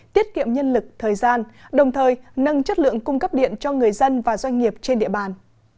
tiết kiệm nhân lực thời gian đồng thời nâng chất lượng cung cấp điện cho người dân và doanh nghiệp trên địa bàn